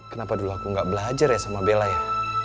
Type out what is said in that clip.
kenapa dulu aku gak belajar ya sama bella ya